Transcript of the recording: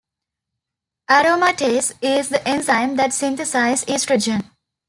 Aromatase is the enzyme that synthesizes estrogen.